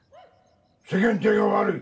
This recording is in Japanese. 世間体がわるい。